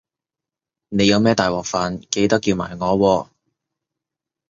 你有咩大鑊飯記得叫埋我喎